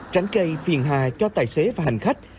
tránh cây phiền hà cho tài xế và hành khách